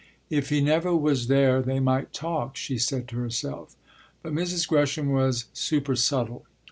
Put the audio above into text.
"If he never was there they might talk," she said to herself. But Mrs. Gresham was supersubtle.